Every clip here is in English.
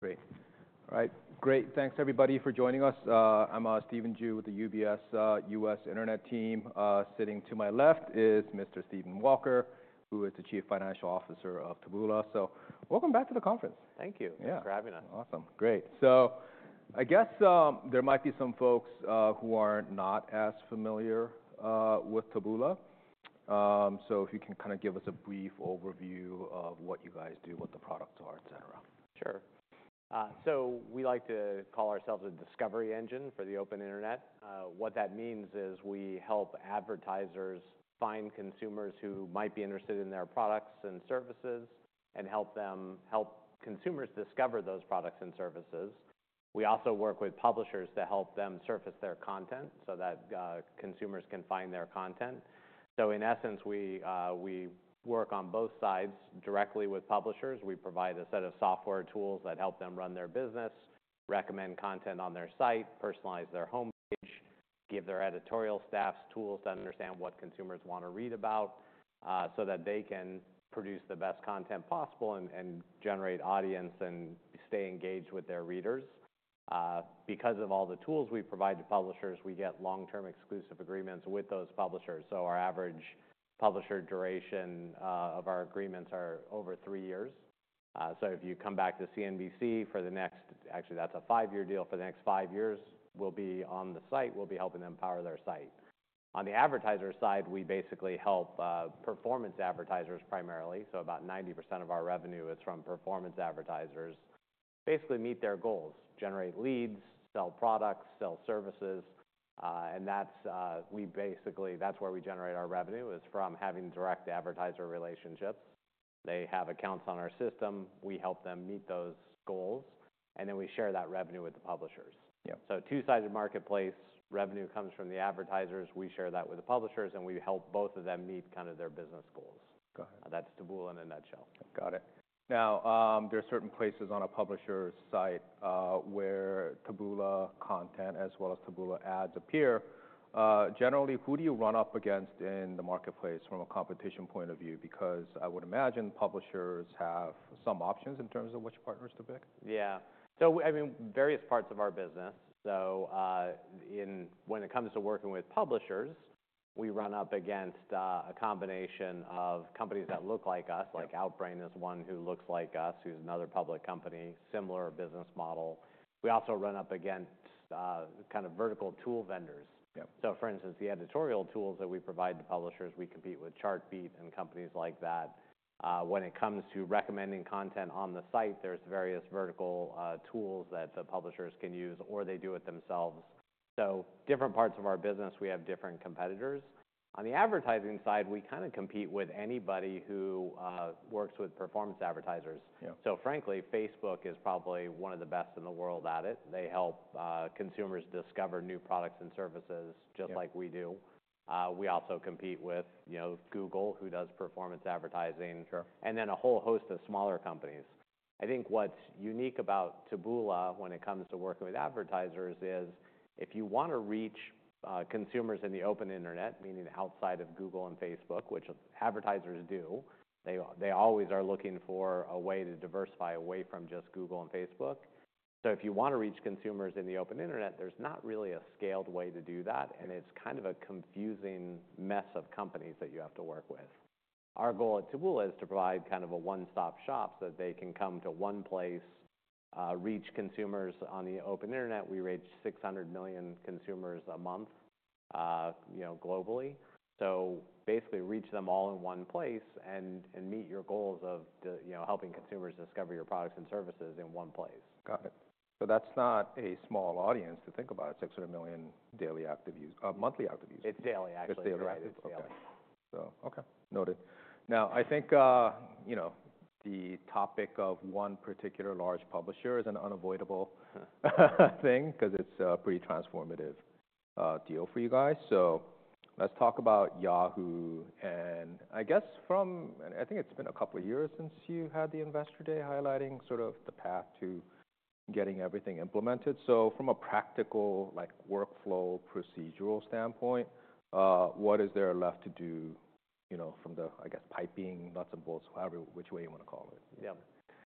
Great. All right. Great. Thanks, everybody, for joining us. I'm Stephen Ju with the UBS U.S. Internet team. Sitting to my left is Mr. Stephen Walker, who is the Chief Financial Officer of Taboola. So welcome back to the conference. Thank you. Thanks for having us. Yeah. Awesome. Great. So I guess there might be some folks who are not as familiar with Taboola. So if you can kind of give us a brief overview of what you guys do, what the products are, etc. Sure. So we like to call ourselves a discovery engine for the open internet. What that means is we help advertisers find consumers who might be interested in their products and services and help consumers discover those products and services. We also work with publishers to help them surface their content so that consumers can find their content. So in essence, we work on both sides directly with publishers. We provide a set of software tools that help them run their business, recommend content on their site, personalize their home page, give their editorial staffs tools to understand what consumers want to read about so that they can produce the best content possible and generate audience and stay engaged with their readers. Because of all the tools we provide to publishers, we get long-term exclusive agreements with those publishers. Our average publisher duration of our agreements is over three years. So if you come back to CNBC for the next. Actually, that's a five-year deal for the next five years, we'll be on the site. We'll be helping them power their site. On the advertiser side, we basically help performance advertisers primarily. So about 90% of our revenue is from performance advertisers basically meet their goals: generate leads, sell products, sell services. And that's where we generate our revenue, is from having direct advertiser relationships. They have accounts on our system. We help them meet those goals. And then we share that revenue with the publishers. So two-sided marketplace. Revenue comes from the advertisers. We share that with the publishers. And we help both of them meet kind of their business goals. That's Taboola in a nutshell. Got it. Now, there are certain places on a publisher's site where Taboola content as well as Taboola ads appear. Generally, who do you run up against in the marketplace from a competition point of view? Because I would imagine publishers have some options in terms of which partners to pick. Yeah. So I mean, various parts of our business. So when it comes to working with publishers, we run up against a combination of companies that look like us. Outbrain is one who looks like us, who's another public company, similar business model. We also run up against kind of vertical tool vendors. So for instance, the editorial tools that we provide to publishers, we compete with Chartbeat and companies like that. When it comes to recommending content on the site, there's various vertical tools that the publishers can use, or they do it themselves. So different parts of our business, we have different competitors. On the advertising side, we kind of compete with anybody who works with performance advertisers. So frankly, Facebook is probably one of the best in the world at it. They help consumers discover new products and services just like we do. We also compete with Google, who does performance advertising, and then a whole host of smaller companies. I think what's unique about Taboola when it comes to working with advertisers is if you want to reach consumers in the open internet, meaning outside of Google and Facebook, which advertisers do, they always are looking for a way to diversify away from just Google and Facebook. So if you want to reach consumers in the open internet, there's not really a scaled way to do that. And it's kind of a confusing mess of companies that you have to work with. Our goal at Taboola is to provide kind of a one-stop shop so that they can come to one place, reach consumers on the open internet. We reach 600 million consumers a month globally. so basically, reach them all in one place and meet your goals of helping consumers discover your products and services in one place. Got it. So that's not a small audience to think about. 600 million daily active monthly active users. It's daily, actually. It's daily. Right. It's daily. Okay. Noted. Now, I think the topic of one particular large publisher is an unavoidable thing because it's a pretty transformative deal for you guys. So let's talk about Yahoo and I guess from—I think it's been a couple of years since you had the Investor Day highlighting sort of the path to getting everything implemented. So from a practical workflow procedural standpoint, what is there left to do from the, I guess, piping, nuts and bolts, which way you want to call it? Yeah.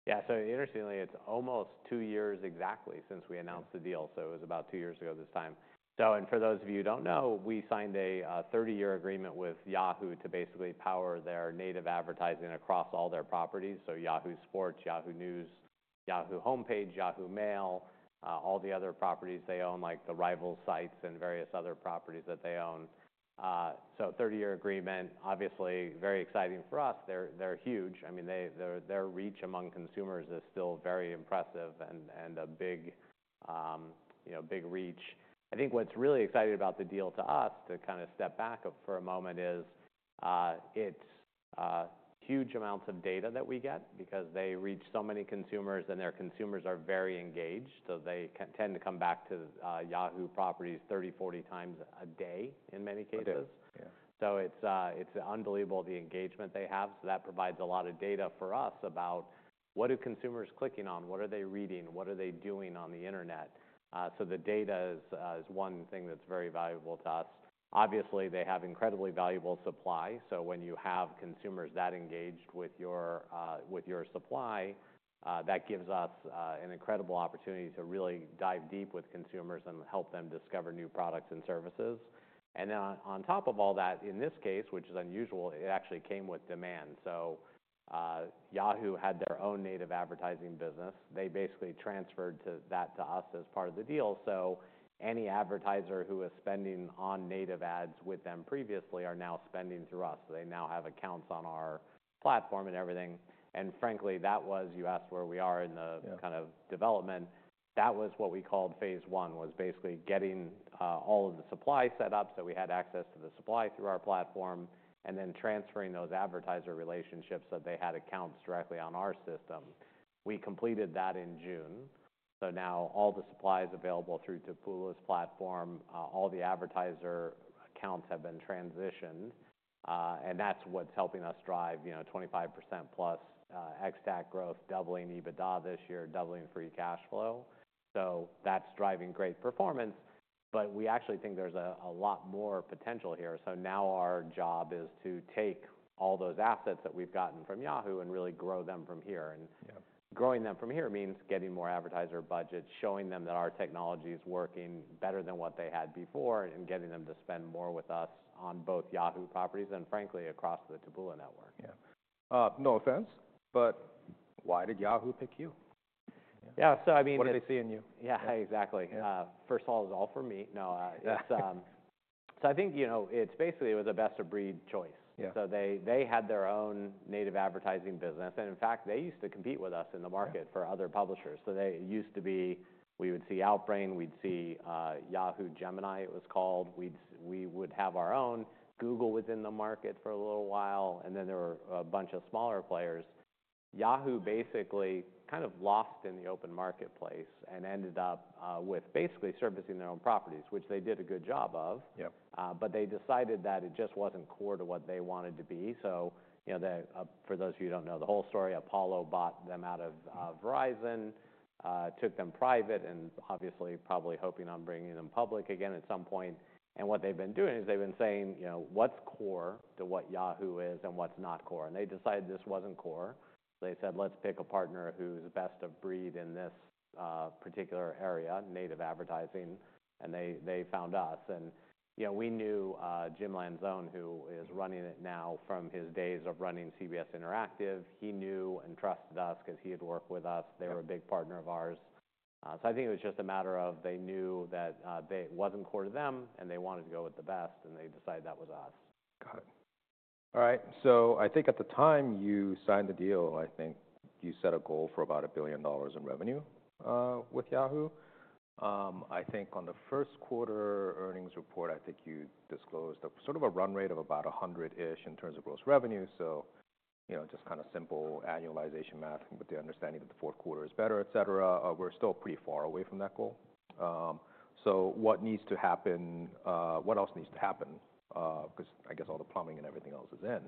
Yeah. So, interestingly, it's almost two years exactly since we announced the deal. So, it was about two years ago this time. And for those of you who don't know, we signed a 30-year agreement with Yahoo to basically power their native advertising across all their properties. So, Yahoo Sports, Yahoo News, Yahoo Homepage, Yahoo Mail, all the other properties they own, like the Rivals sites and various other properties that they own. So, 30-year agreement, obviously, very exciting for us. They're huge. I mean, their reach among consumers is still very impressive and a big reach. I think what's really exciting about the deal to us, to kind of step back for a moment, is it's huge amounts of data that we get because they reach so many consumers, and their consumers are very engaged. So they tend to come back to Yahoo properties 30x to 40x a day in many cases. So it's unbelievable the engagement they have. So that provides a lot of data for us about what are consumers clicking on, what are they reading, what are they doing on the internet. So the data is one thing that's very valuable to us. Obviously, they have incredibly valuable supply. So when you have consumers that engaged with your supply, that gives us an incredible opportunity to really dive deep with consumers and help them discover new products and services. And then on top of all that, in this case, which is unusual, it actually came with demand. So Yahoo had their own native advertising business. They basically transferred that to us as part of the deal. So any advertiser who was spending on native ads with them previously are now spending through us. They now have accounts on our platform and everything. And frankly, that was (you asked where we are in the kind of development) that was what we called Phase I, was basically getting all of the supply set up so we had access to the supply through our platform and then transferring those advertiser relationships so they had accounts directly on our system. We completed that in June. So now all the supply is available through Taboola's platform. All the advertiser accounts have been transitioned. And that's what's helping us drive 25% plus ex-TAC growth, doubling EBITDA this year, doubling free cash flow. So that's driving great performance. But we actually think there's a lot more potential here. Now our job is to take all those assets that we've gotten from Yahoo and really grow them from here. Growing them from here means getting more advertiser budgets, showing them that our technology is working better than what they had before, and getting them to spend more with us on both Yahoo properties and, frankly, across the Taboola network. Yeah. No offense, but why did Yahoo pick you? Yeah. So, I mean. What did they see in you? Yeah. Exactly. First of all, it was all for me. No. So I think it's basically it was a best-of-breed choice. So they had their own native advertising business. And in fact, they used to compete with us in the market for other publishers. So they used to be. We would see Outbrain. We'd see Yahoo Gemini, it was called. We would have our own Google within the market for a little while. And then there were a bunch of smaller players. Yahoo basically kind of lost in the open marketplace and ended up with basically servicing their own properties, which they did a good job of. But they decided that it just wasn't core to what they wanted to be. So for those of you who don't know the whole story, Apollo bought them out of Verizon, took them private, and obviously probably hoping on bringing them public again at some point, and what they've been doing is they've been saying, "What's core to what Yahoo is and what's not core?" and they decided this wasn't core. They said, "Let's pick a partner who's best of breed in this particular area, native advertising," and they found us, and we knew Jim Lanzone, who is running it now from his days of running CBS Interactive, he knew and trusted us because he had worked with us. They were a big partner of ours. So I think it was just a matter of they knew that it wasn't core to them, and they wanted to go with the best, and they decided that was us. Got it. All right. So I think at the time you signed the deal, I think you set a goal for about $1 billion in revenue with Yahoo. I think on the 1st quarter earnings report, I think you disclosed sort of a run rate of about $100 million-ish in terms of gross revenue. So just kind of simple annualization math with the understanding that the fourth quarter is better, etc. We're still pretty far away from that goal. So what needs to happen? What else needs to happen? Because I guess all the plumbing and everything else is in.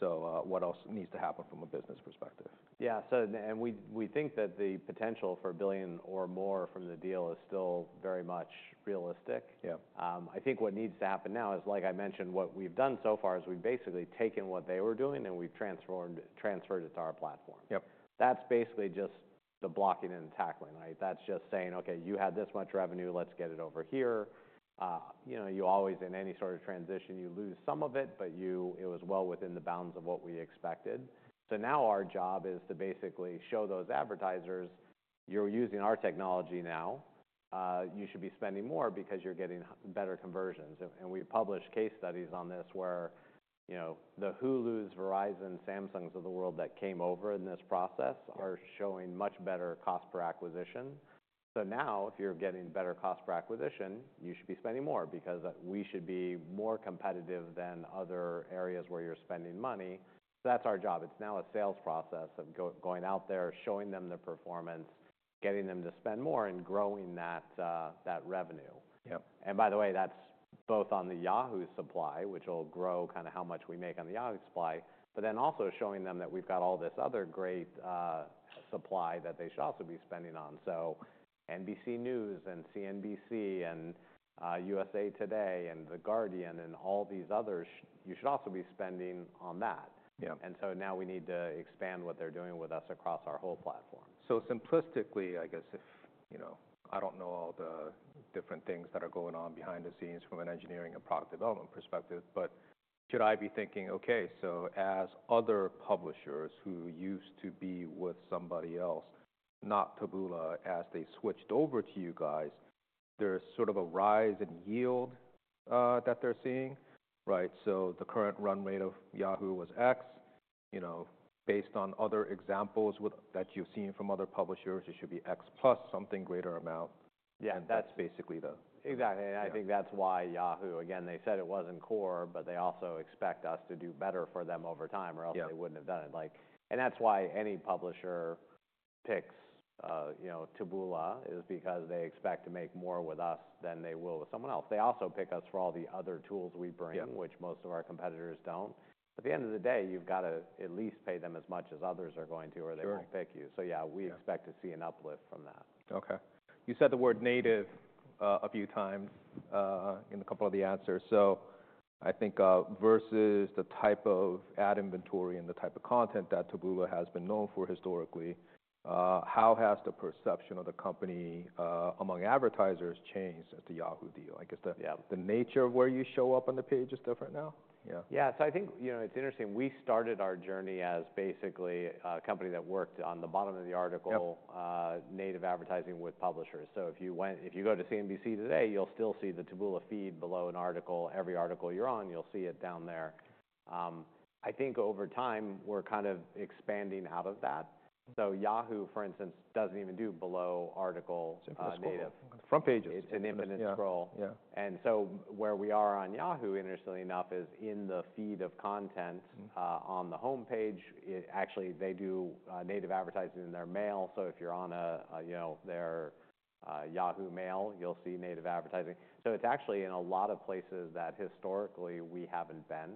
So what else needs to happen from a business perspective? Yeah, and we think that the potential for $1 billion or more from the deal is still very much realistic. I think what needs to happen now is, like I mentioned, what we've done so far is we've basically taken what they were doing, and we've transferred it to our platform. That's basically just the blocking and tackling, right? That's just saying, "Okay, you had this much revenue. Let's get it over here." You always, in any sort of transition, you lose some of it, but it was well within the bounds of what we expected, so now our job is to basically show those advertisers, "You're using our technology now. You should be spending more because you're getting better conversions," and we've published case studies on this where the Hulu, Verizon, Samsung of the world that came over in this process are showing much better cost per acquisition. So now if you're getting better cost per acquisition, you should be spending more because we should be more competitive than other areas where you're spending money. That's our job. It's now a sales process of going out there, showing them the performance, getting them to spend more, and growing that revenue. And by the way, that's both on the Yahoo supply, which will grow kind of how much we make on the Yahoo supply, but then also showing them that we've got all this other great supply that they should also be spending on. So NBC News and CNBC and USA Today and The Guardian and all these others, you should also be spending on that. And so now we need to expand what they're doing with us across our whole platform. So simplistically, I guess if I don't know all the different things that are going on behind the scenes from an engineering and product development perspective, but should I be thinking, "Okay, so as other publishers who used to be with somebody else, not Taboola, as they switched over to you guys, there's sort of a rise in yield that they're seeing, right? So the current run rate of Yahoo was X. Based on other examples that you've seen from other publishers, it should be Xplus something greater amount." And that's basically the. Exactly. And I think that's why Yahoo, again, they said it wasn't core, but they also expect us to do better for them over time, or else they wouldn't have done it. And that's why any publisher picks Taboola is because they expect to make more with us than they will with someone else. They also pick us for all the other tools we bring, which most of our competitors don't. At the end of the day, you've got to at least pay them as much as others are going to, or they won't pick you. So yeah, we expect to see an uplift from that. Okay. You said the word native a few times in a couple of the answers. So I think versus the type of ad inventory and the type of content that Taboola has been known for historically, how has the perception of the company among advertisers changed at the Yahoo deal? I guess the nature of where you show up on the page is different now. Yeah. Yeah. So I think it's interesting. We started our journey as basically a company that worked on the bottom of the article, native advertising with publishers. So if you go to CNBC today, you'll still see the Taboola feed below an article. Every article you're on, you'll see it down there. I think over time, we're kind of expanding out of that. So Yahoo, for instance, doesn't even do below article native. It's a front page. It's an infinite scroll, and so where we are on Yahoo, interestingly enough, is in the feed of content on the homepage. Actually, they do native advertising in their mail, so if you're on their Yahoo Mail, you'll see native advertising, so it's actually in a lot of places that historically we haven't been,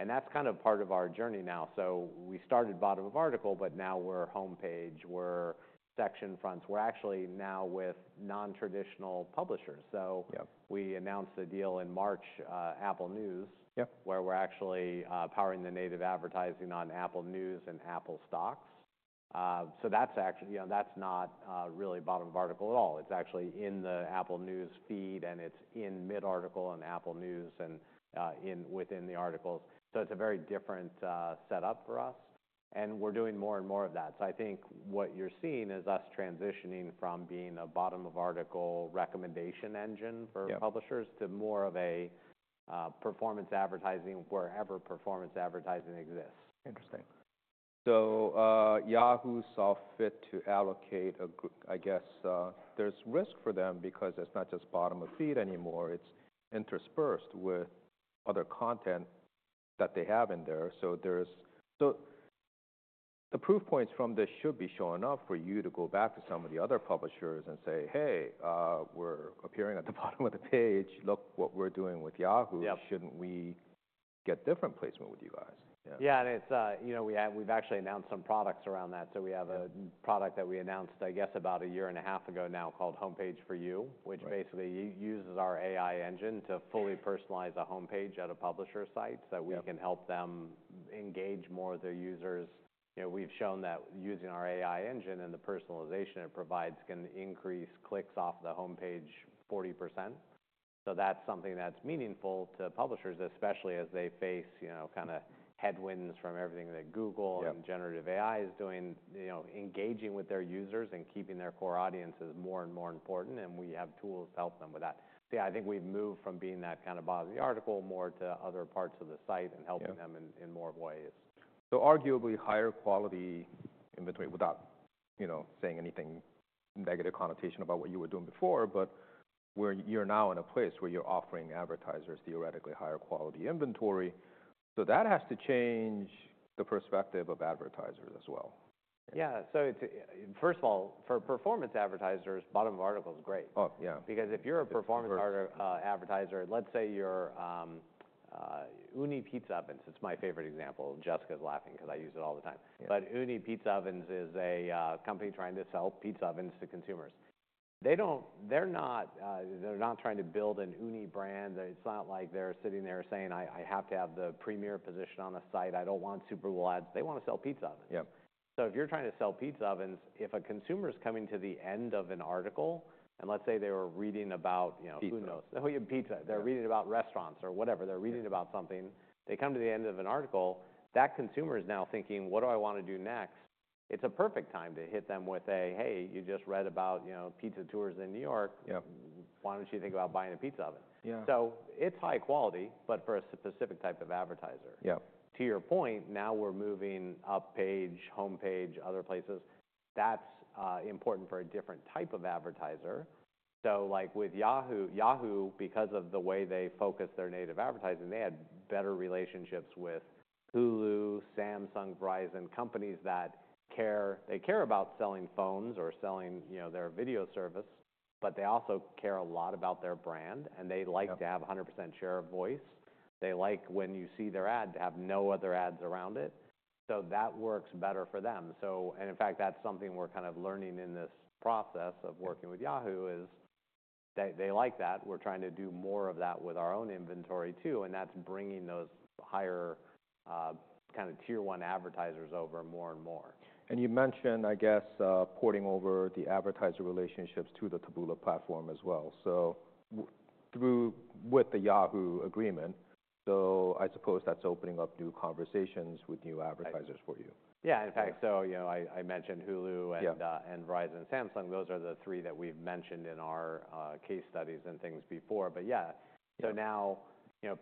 and that's kind of part of our journey now, so we started bottom of article, but now we're homepage, we're section fronts, we're actually now with non-traditional publishers, so we announced a deal in March, Apple News, where we're actually powering the native advertising on Apple News and Apple Stocks, so that's not really bottom of article at all, it's actually in the Apple News feed, and it's in mid-article on Apple News and within the articles, so it's a very different setup for us, and we're doing more and more of that. So I think what you're seeing is us transitioning from being a bottom of article recommendation engine for publishers to more of a performance advertising wherever performance advertising exists. Interesting. So Yahoo saw fit to allocate, I guess there's risk for them because it's not just bottom of feed anymore. It's interspersed with other content that they have in there. So the proof points from this should be showing up for you to go back to some of the other publishers and say, "Hey, we're appearing at the bottom of the page. Look what we're doing with Yahoo. Shouldn't we get different placement with you guys? Yeah. And we've actually announced some products around that. So we have a product that we announced, I guess, about a year and a half ago now called Homepage For You, which basically uses our AI engine to fully personalize a homepage at a publisher site so that we can help them engage more of their users. We've shown that using our AI engine and the personalization it provides can increase clicks off the homepage 40%. So that's something that's meaningful to publishers, especially as they face kind of headwinds from everything that Google and generative AI is doing, engaging with their users and keeping their core audiences more and more important. And we have tools to help them with that. So yeah, I think we've moved from being that kind of bottom of the article more to other parts of the site and helping them in more ways. So arguably higher quality inventory without saying anything negative connotation about what you were doing before, but you're now in a place where you're offering advertisers theoretically higher quality inventory. So that has to change the perspective of advertisers as well. Yeah. So first of all, for performance advertisers, bottom of article is great. Because if you're a performance advertiser, let's say you're Ooni Pizza Ovens, it's my favorite example. Jessica's laughing because I use it all the time. But Ooni Pizza Ovens is a company trying to sell pizza ovens to consumers. They're not trying to build an Ooni brand. It's not like they're sitting there saying, "I have to have the premier position on the site. I don't want Super Bowl ads." They want to sell pizza ovens. So if you're trying to sell pizza ovens, if a consumer is coming to the end of an article, and let's say they were reading about who knows. Pizza. Oh, yeah, pizza. They're reading about restaurants or whatever. They're reading about something. They come to the end of an article, that consumer is now thinking, "What do I want to do next?" It's a perfect time to hit them with a, "Hey, you just read about pizza tours in New York. Why don't you think about buying a pizza oven?" So it's high quality, but for a specific type of advertiser. To your point, now we're moving up page, homepage, other places. That's important for a different type of advertiser. So with Yahoo, Yahoo, because of the way they focus their native advertising, they had better relationships with Hulu, Samsung, Verizon, companies that care. They care about selling phones or selling their video service, but they also care a lot about their brand. And they like to have 100% share of voice. They like when you see their ad to have no other ads around it, so that works better for them, and in fact, that's something we're kind of learning in this process of working with Yahoo is they like that. We're trying to do more of that with our own inventory too, and that's bringing those higher kind of tier one advertisers over more and more. You mentioned, I guess, porting over the advertiser relationships to the Taboola platform as well. With the Yahoo agreement, I suppose that's opening up new conversations with new advertisers for you. Yeah. In fact, so I mentioned Hulu and Verizon and Samsung. Those are the three that we've mentioned in our case studies and things before. But yeah, so now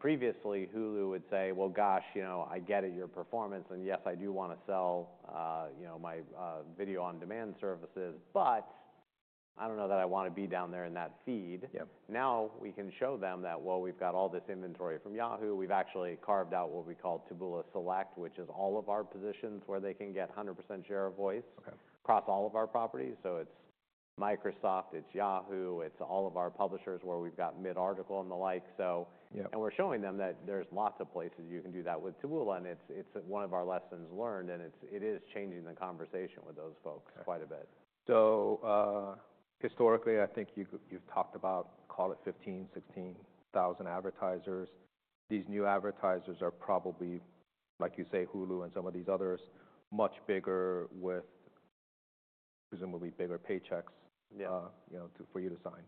previously, Hulu would say, "Well, gosh, I get it, your performance. And yes, I do want to sell my video on demand services, but I don't know that I want to be down there in that feed." Now we can show them that, "Well, we've got all this inventory from Yahoo. We've actually carved out what we call Taboola Select, which is all of our positions where they can get 100% share of voice across all of our properties," so it's Microsoft, it's Yahoo, it's all of our publishers where we've got mid-article and the like, and we're showing them that there's lots of places you can do that with Taboola, and it's one of our lessons learned. It is changing the conversation with those folks quite a bit. So historically, I think you've talked about, call it 15,000-16,000 advertisers. These new advertisers are probably, like you say, Hulu and some of these others, much bigger with presumably bigger paychecks for you to sign.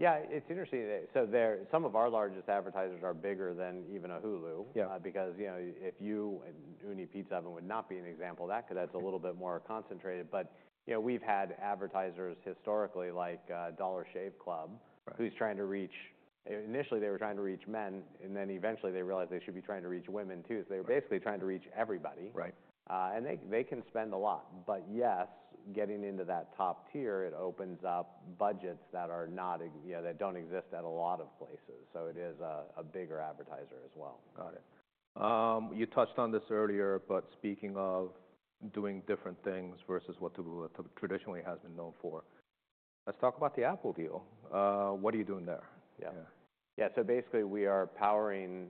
Yeah. It's interesting. So some of our largest advertisers are bigger than even a Hulu because you know, an Ooni Pizza Oven would not be an example of that because that's a little bit more concentrated. But we've had advertisers historically like Dollar Shave Club who's trying to reach initially, they were trying to reach men, and then eventually, they realized they should be trying to reach women too. So they were basically trying to reach everybody. And they can spend a lot. But yes, getting into that top tier, it opens up budgets that don't exist at a lot of places. So it is a bigger advertiser as well. Got it. You touched on this earlier, but speaking of doing different things versus what Taboola traditionally has been known for, let's talk about the Apple deal. What are you doing there? Yeah. So basically, we are powering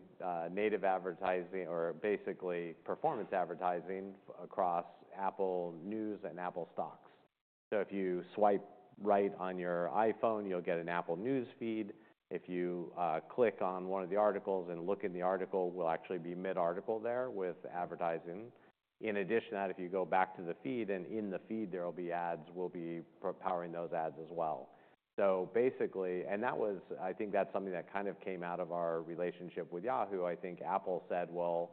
native advertising or basically performance advertising across Apple News and Apple Stocks. So if you swipe right on your iPhone, you'll get an Apple News feed. If you click on one of the articles and look in the article, we'll actually be mid-article there with advertising. In addition to that, if you go back to the feed and in the feed, there will be ads. We'll be powering those ads as well. And that was, I think that's something that kind of came out of our relationship with Yahoo. I think Apple said, "Well,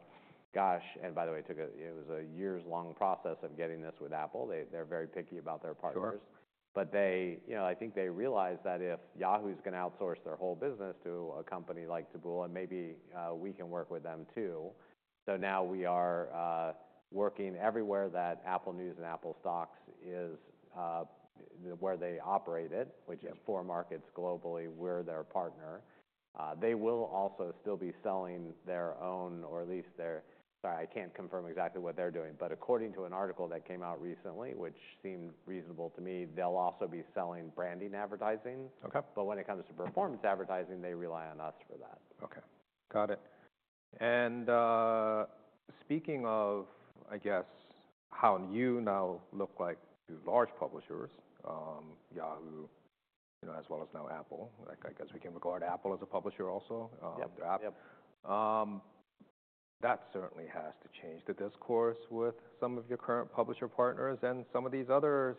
gosh." And by the way, it was a years-long process of getting this with Apple. They're very picky about their partners. But I think they realized that if Yahoo is going to outsource their whole business to a company like Taboola, maybe we can work with them too. So now we are working everywhere that Apple News and Apple Stocks is where they operate it, which is four markets globally where they're a partner. They will also still be selling their own or at least their. Sorry, I can't confirm exactly what they're doing, but according to an article that came out recently, which seemed reasonable to me, they'll also be selling branding advertising, but when it comes to performance advertising, they rely on us for that. Okay. Got it. And speaking of, I guess, how you now look like to large publishers, Yahoo as well as now Apple, I guess we can regard Apple as a publisher also. Yep. That certainly has to change the discourse with some of your current publisher partners and some of these others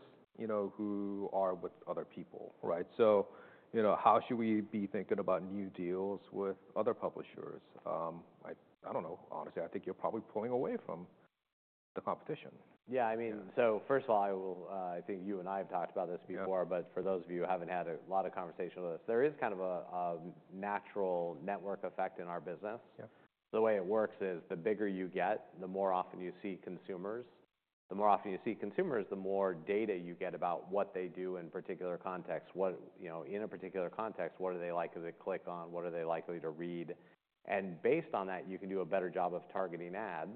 who are with other people, right? So how should we be thinking about new deals with other publishers? I don't know. Honestly, I think you're probably pulling away from the competition. Yeah. I mean, so first of all, I think you and I have talked about this before, but for those of you who haven't had a lot of conversation with us, there is kind of a natural network effect in our business. The way it works is the bigger you get, the more often you see consumers. The more often you see consumers, the more data you get about what they do in particular context. In a particular context, what are they likely to click on? What are they likely to read? And based on that, you can do a better job of targeting ads.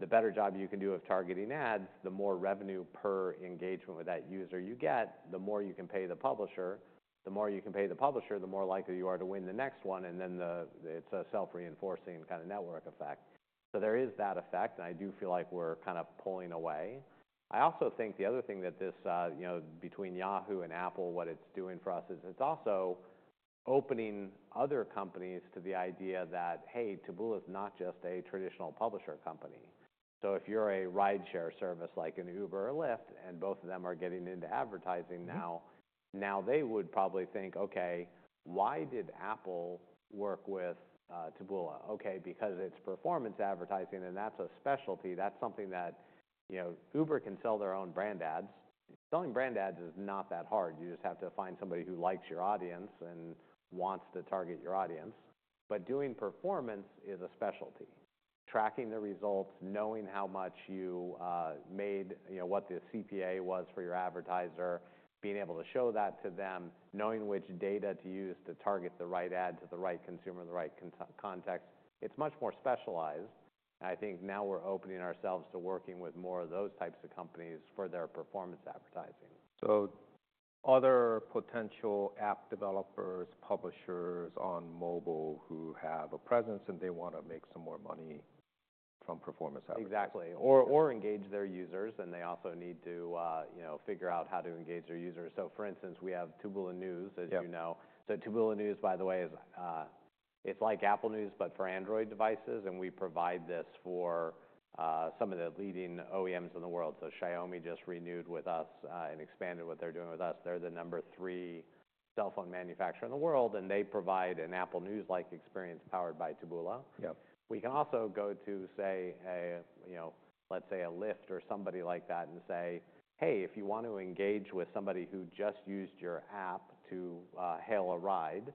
The better job you can do of targeting ads, the more revenue per engagement with that user you get, the more you can pay the publisher. The more you can pay the publisher, the more likely you are to win the next one. Then it's a self-reinforcing kind of network effect. There is that effect. I do feel like we're kind of pulling away. I also think the other thing that this between Yahoo and Apple, what it's doing for us, is it's also opening other companies to the idea that, "Hey, Taboola is not just a traditional publisher company." If you're a rideshare service like an Uber or Lyft, and both of them are getting into advertising now, now they would probably think, "Okay, why did Apple work with Taboola?" Okay, because it's performance advertising, and that's a specialty. That's something that Uber can sell their own brand ads. Selling brand ads is not that hard. You just have to find somebody who likes your audience and wants to target your audience. Doing performance is a specialty. Tracking the results, knowing how much you made, what the CPA was for your advertiser, being able to show that to them, knowing which data to use to target the right ad to the right consumer, the right context. It's much more specialized. I think now we're opening ourselves to working with more of those types of companies for their performance advertising. So other potential app developers, publishers on mobile who have a presence and they want to make some more money from performance advertising. Exactly, or engage their users, and they also need to figure out how to engage their users, so for instance, we have Taboola News, as you know, so Taboola News, by the way, it's like Apple News but for Android devices, and we provide this for some of the leading OEMs in the world, so Xiaomi just renewed with us and expanded what they're doing with us. They're the number three cell phone manufacturer in the world, and they provide an Apple News-like experience powered by Taboola. We can also go to, say, let's say a Lyft or somebody like that and say, "Hey, if you want to engage with somebody who just used your app to hail a ride,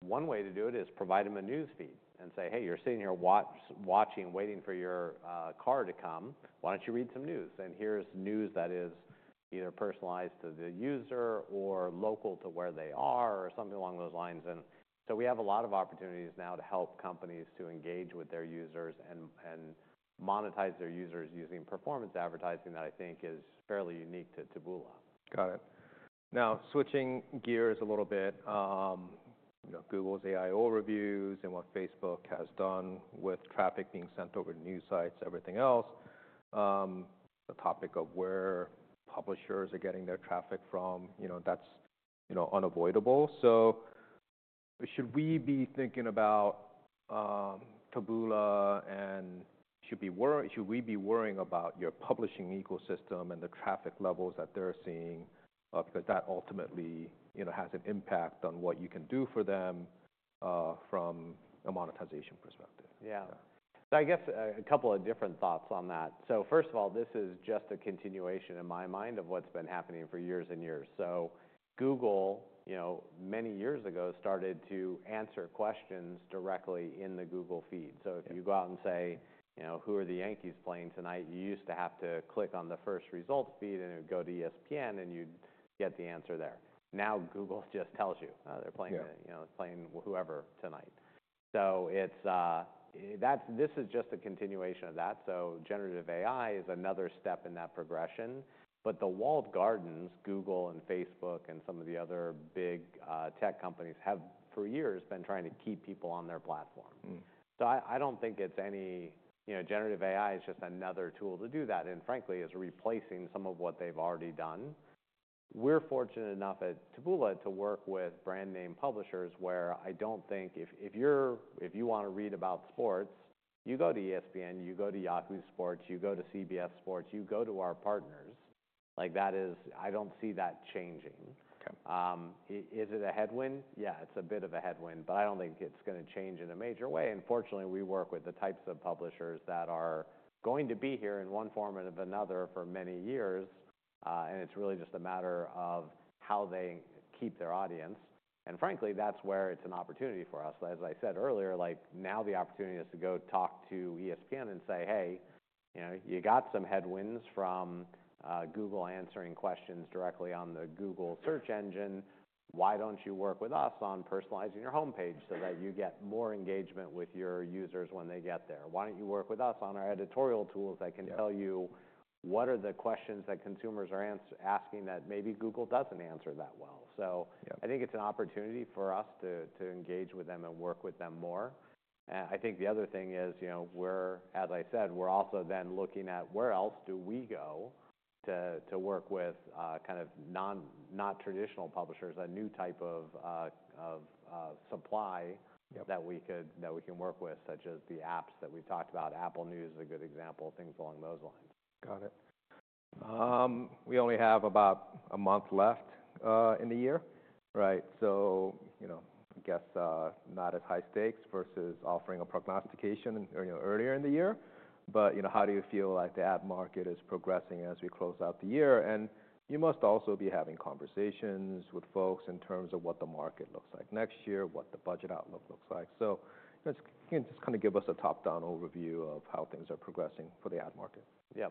one way to do it is provide them a news feed and say, 'Hey, you're sitting here watching, waiting for your car to come. Why don't you read some news? And here's news that is either personalized to the user or local to where they are or something along those lines." And so we have a lot of opportunities now to help companies to engage with their users and monetize their users using performance advertising that I think is fairly unique to Taboola. Got it. Now, switching gears a little bit, Google's AI Overviews and what Facebook has done with traffic being sent over to news sites, everything else, the topic of where publishers are getting their traffic from, that's unavoidable. So should we be thinking about Taboola and should we be worrying about your publishing ecosystem and the traffic levels that they're seeing? Because that ultimately has an impact on what you can do for them from a monetization perspective. Yeah. I guess a couple of different thoughts on that. So first of all, this is just a continuation in my mind of what's been happening for years and years. So Google, many years ago, started to answer questions directly in the Google feed. So if you go out and say, "Who are the Yankees playing tonight?" you used to have to click on the first result feed and it would go to ESPN and you'd get the answer there. Now Google just tells you, "They're playing whoever tonight." So this is just a continuation of that. So generative AI is another step in that progression. But the walled gardens, Google and Facebook and some of the other big tech companies have for years been trying to keep people on their platform. So I don't think it's any generative AI is just another tool to do that. Frankly, it's replacing some of what they've already done. We're fortunate enough at Taboola to work with brand name publishers where I don't think if you want to read about sports, you go to ESPN, you go to Yahoo Sports, you go to CBS Sports, you go to our partners. I don't see that changing. Is it a headwind? Yeah, it's a bit of a headwind, but I don't think it's going to change in a major way. Fortunately, we work with the types of publishers that are going to be here in one form or another for many years. It's really just a matter of how they keep their audience. Frankly, that's where it's an opportunity for us. As I said earlier, now the opportunity is to go talk to ESPN and say, "Hey, you got some headwinds from Google answering questions directly on the Google search engine. Why don't you work with us on personalizing your homepage so that you get more engagement with your users when they get there? Why don't you work with us on our editorial tools that can tell you what are the questions that consumers are asking that maybe Google doesn't answer that well?" So I think it's an opportunity for us to engage with them and work with them more. I think the other thing is, as I said, we're also then looking at where else do we go to work with kind of not traditional publishers, a new type of supply that we can work with, such as the apps that we've talked about. Apple News is a good example, things along those lines. Got it. We only have about a month left in the year, right? So I guess not as high stakes versus offering a prognostication earlier in the year. But how do you feel like the ad market is progressing as we close out the year? And you must also be having conversations with folks in terms of what the market looks like next year, what the budget outlook looks like. So can you just kind of give us a top-down overview of how things are progressing for the ad market? Yeah,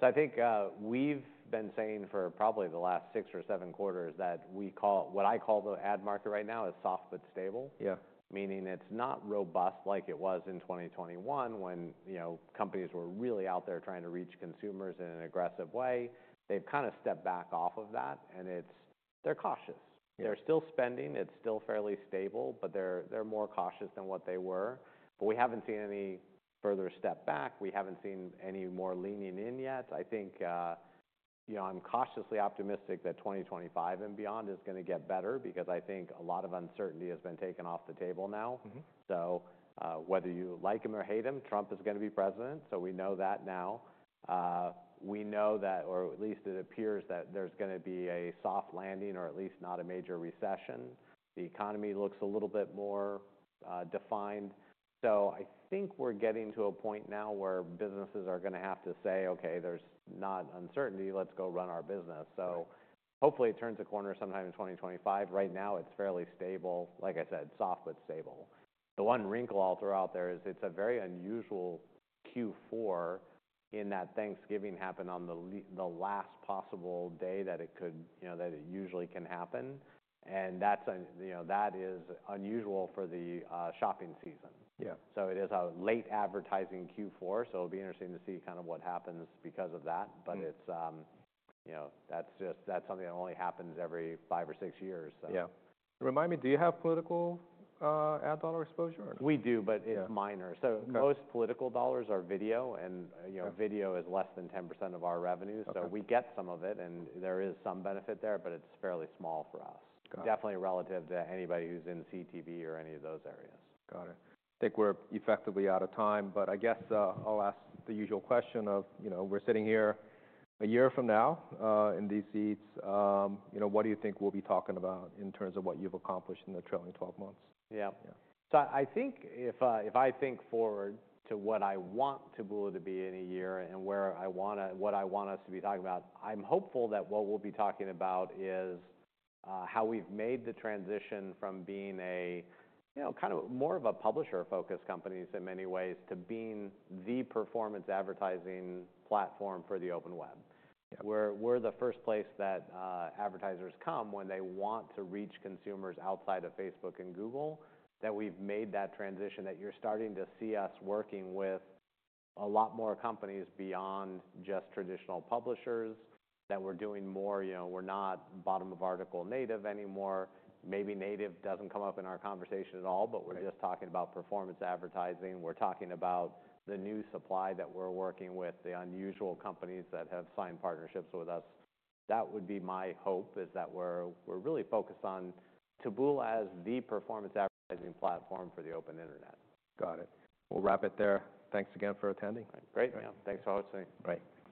so I think we've been saying for probably the last six or seven quarters that what I call the ad market right now is soft but stable, meaning it's not robust like it was in 2021 when companies were really out there trying to reach consumers in an aggressive way. They've kind of stepped back off of that, and they're cautious. They're still spending. It's still fairly stable, but they're more cautious than what they were, but we haven't seen any further step back. We haven't seen any more leaning in yet. I think I'm cautiously optimistic that 2025 and beyond is going to get better because I think a lot of uncertainty has been taken off the table now, so whether you like them or hate them, Trump is going to be president, so we know that now. We know that, or at least it appears that there's going to be a soft landing or at least not a major recession. The economy looks a little bit more defined. So I think we're getting to a point now where businesses are going to have to say, "Okay, there's not uncertainty. Let's go run our business." So hopefully it turns a corner sometime in 2025. Right now, it's fairly stable. Like I said, soft but stable. The one wrinkle I'll throw out there is it's a very unusual Q4 in that Thanksgiving happened on the last possible day that it usually can happen. And that is unusual for the shopping season. So it is a late advertising Q4. So it'll be interesting to see kind of what happens because of that. But that's something that only happens every five or six years. Yeah. Remind me, do you have political ad dollar exposure? We do, but it's minor. So most political dollars are video. And video is less than 10% of our revenue. So we get some of it, and there is some benefit there, but it's fairly small for us. Definitely relative to anybody who's in CTV or any of those areas. Got it. I think we're effectively out of time, but I guess I'll ask the usual question of we're sitting here a year from now in these seats. What do you think we'll be talking about in terms of what you've accomplished in the trailing 12 months? Yeah. So I think if I think forward to what I want Taboola to be in a year and what I want us to be talking about, I'm hopeful that what we'll be talking about is how we've made the transition from being kind of more of a publisher-focused company, in many ways, to being the performance advertising platform for the open web. We're the first place that advertisers come when they want to reach consumers outside of Facebook and Google, that we've made that transition, that you're starting to see us working with a lot more companies beyond just traditional publishers, that we're doing more. We're not bottom-of-article native anymore. Maybe native doesn't come up in our conversation at all, but we're just talking about performance advertising. We're talking about the new supply that we're working with, the unusual companies that have signed partnerships with us. That would be my hope is that we're really focused on Taboola as the performance advertising platform for the open internet. Got it. We'll wrap it there. Thanks again for attending. Great. Thanks for hosting. Great.